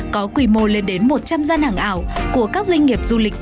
có quy mô lên đến một trăm linh gian hàng ảo của các doanh nghiệp du lịch